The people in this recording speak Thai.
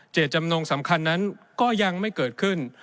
จำนงสำคัญนั้นก็ยังไม่เกิดขึ้น